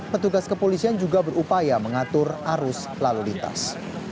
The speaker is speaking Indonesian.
petugas kepolisian juga berupaya mengatur arus lalu lintas